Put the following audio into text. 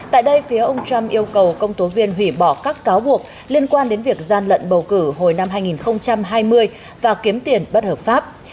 tại đây phía ông trump yêu cầu công tố viên hủy bỏ các cáo buộc liên quan đến việc gian lận bầu cử hồi năm hai nghìn hai mươi và kiếm tiền bất hợp pháp